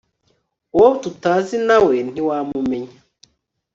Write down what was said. uwo tutazi nawe ntiwa mumenya